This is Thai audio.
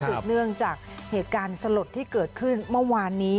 เนื่องจากเหตุการณ์สลดที่เกิดขึ้นเมื่อวานนี้